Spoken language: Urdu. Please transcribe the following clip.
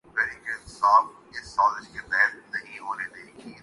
مسلم لیگ کے نام پر کھلے عام دھوکہ ۔